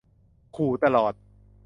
ขู่ตลอด